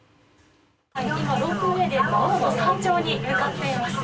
ロープウェーで山頂に向かっています。